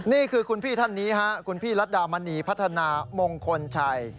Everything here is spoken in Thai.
นี่คือคุณพี่ท่านนี้ฮะคุณพี่รัฐดามณีพัฒนามงคลชัย